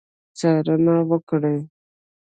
څارنه وکړي.